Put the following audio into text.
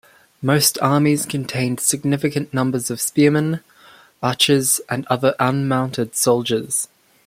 Most armies contained significant numbers of spearmen, archers and other unmounted soldiers.